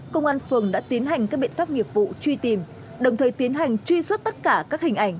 công an phường đã tiến hành các biện pháp nghiệp vụ truy tìm đồng thời tiến hành truy xuất tất cả các hình ảnh